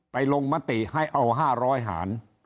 ลงมติให้เอา๕๐๐หาร